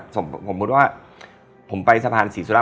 สมมุติว่าผมไปสะพานศรีสุร